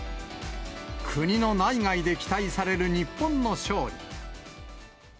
国の内外で期待される日本の勝利。